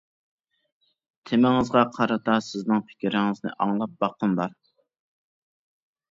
تېمىڭىزغا قارىتا سىزنىڭ پىكرىڭىزنى ئاڭلاپ باققۇم بار.